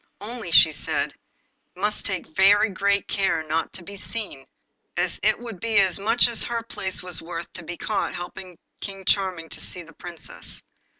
Only, she said, he must take very great care not to be seen, as it would be as much as her place was worth to be caught helping King Charming to see the Princess.